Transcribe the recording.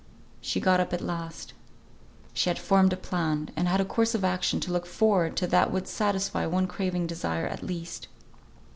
She got up at last. She had formed a plan, and had a course of action to look forward to that would satisfy one craving desire at least.